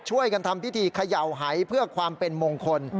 ช่วยกันทำพิธีเขย่าหายเพื่อความเป็นมงคล